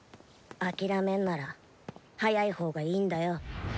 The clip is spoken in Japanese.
諦めんなら早い方がいいんだよ。